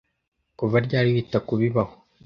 Kuva ryari wita kubibaho?